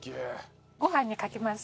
ご飯にかけます。